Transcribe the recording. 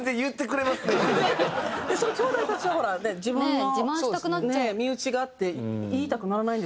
そのきょうだいたちは「自分の身内が」って言いたくならないんですかね？